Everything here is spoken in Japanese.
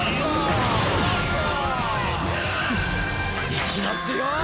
いきますよ！